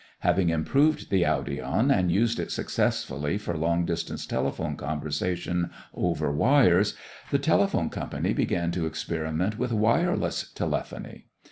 Having improved the audion and used it successfully for long distance telephone conversation over wires, the telephone company began to experiment with wireless telephony.